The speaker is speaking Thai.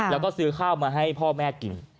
แล้วก็ซื้อข้าวมาให้พ่อแม่กิน